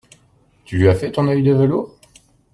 Tu lui as fait ton œil de velours ?